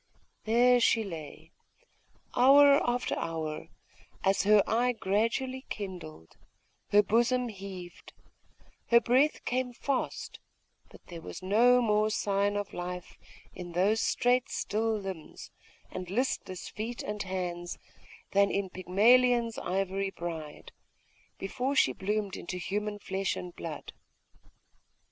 There she lay, hour after hour, as her eye gradually kindled, her bosom heaved, her breath came fast: but there was no more sign of life in those straight still limbs, and listless feet and hands, than in Pygmalion's ivory bride, before she bloomed into human flesh and blood.